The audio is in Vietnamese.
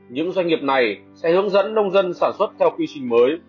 những doanh nghiệp này sẽ hướng dẫn nông dân sản xuất theo quy trình mới